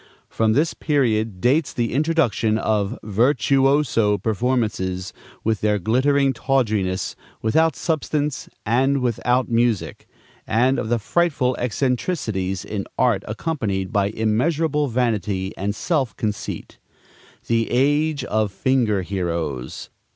From this period dates the introduction of virtuoso performances with their glittering tawdriness, without substance and without music, and of the frightful eccentricities in art, accompanied by immeasurable vanity and self conceit, the age of "finger heroes."